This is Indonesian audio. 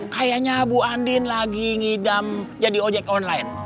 kayaknya bu andin lagi ngidam jadi ojek online